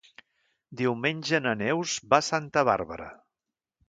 Diumenge na Neus va a Santa Bàrbara.